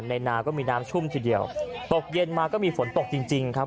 นาก็มีน้ำชุ่มทีเดียวตกเย็นมาก็มีฝนตกจริงจริงครับ